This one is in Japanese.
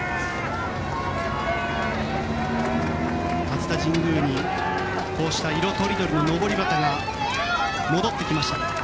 熱田神宮に色とりどりののぼり旗が戻ってきました。